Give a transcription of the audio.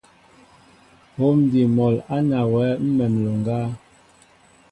Hǒm ádí mol á nawyɛέ ḿmem nloŋga.